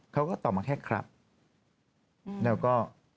เขาก็ตอบมาแค่คลับแล้วก็